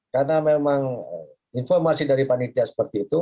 karena memang informasi dari panitia seperti itu